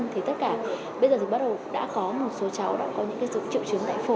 thì tất cả bây giờ thì bắt đầu đã có một số cháu đã có những triệu chứng tại phổi